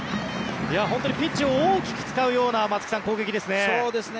本当にピッチを大きく使うような松木さん、攻撃ですね。